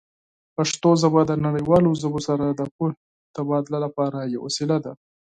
پښتو ژبه د نړیوالو ژبو سره د پوهې تبادله لپاره یوه وسیله ده.